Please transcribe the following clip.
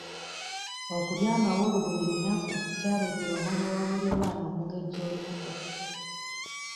Okulya amawolu buli lunaku kyaleetera omwana wa mulirwana okugejja olubuto.